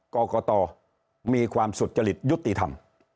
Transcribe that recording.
กรกตมีความสุจริตยุติธรรม